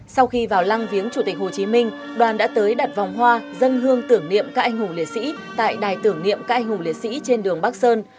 sau khi vào lăng viếng chủ tịch hồ chí minh đoàn đã tới đặt vòng hoa dân hương tưởng niệm các anh hùng liệt sĩ tại đài tưởng niệm các anh hùng liệt sĩ trên đường bắc sơn